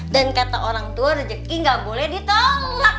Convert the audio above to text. dan kata orang tua rezeki tidak boleh ditolak